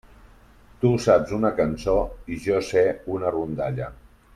Tu saps una cançó i jo sé una rondalla.